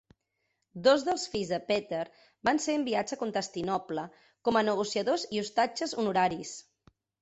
Dos dels fills de Petar van ser enviats a Constantinoble com a negociadors i ostatges honoraris.